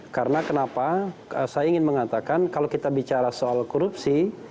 karena kenapa saya ingin mengatakan kalau kita bicara soal korupsi